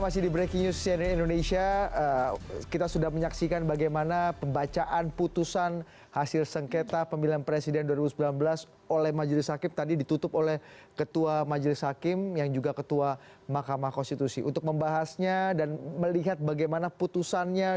cnn indonesia breaking news